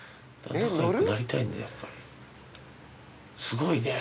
すごいね。